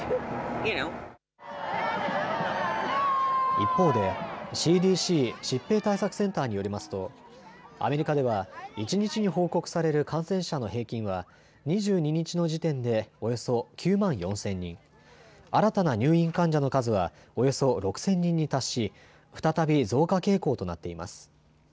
一方でＣＤＣ・疾病対策センターによりますとアメリカでは一日に報告される感染者の平均は２２日の時点でおよそ９万４０００人、新たな入院患者の数はおよそ６０００人に達し再び増加傾向となっています。